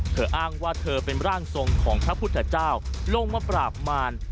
อ้างว่าเธอเป็นร่างทรงของพระพุทธเจ้าลงมาปราบมาร